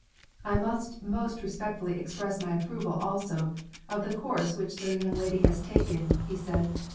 "I must most respectfully express my approval also of the course which the young lady has taken," he said.